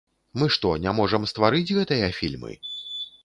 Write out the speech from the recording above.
Мы што, не можам стварыць гэтыя фільмы?